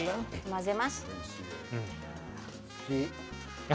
混ぜます。